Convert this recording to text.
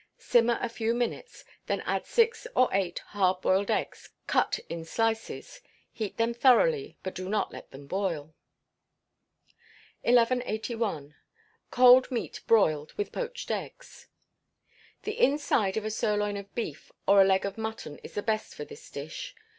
Simmer a few minutes, then add six or eight hard boiled eggs cut in slices; heat them thoroughly, but do not let them boil. 1181. Cold Meat Broiled, With Poached Eggs. The inside of a sirloin of beef or a leg of mutton is the best for this dish.